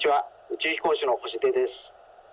宇宙飛行士の星出です。